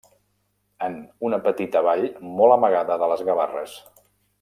En una petita vall molt amagada de les Gavarres.